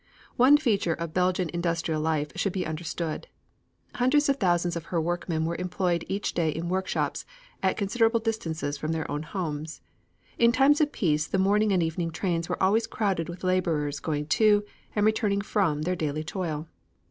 One feature of Belgian industrial life should be understood. Hundreds of thousands of her workmen were employed each day in workshops at considerable distances from their own homes. In times of peace the morning and evening trains were always crowded with laborers going to and returning from their daily toil.